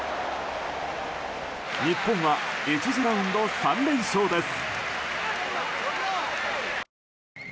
日本は１次ラウンド３連勝です。